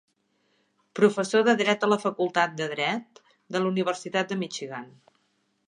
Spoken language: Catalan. Professor de Dret a la Facultat de Dret de la Universitat de Michigan.